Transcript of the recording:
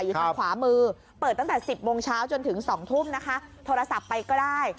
อยู่ทางขวามือเปิดตั้งแต่๑๐โมงเช้าจนถึง๒ทุ่มนะคะโทรศัพท์ไปก็ได้